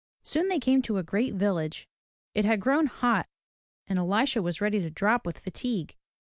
Soon they came to a great village. It had grown hot and Elisha was ready to drop with fatigue.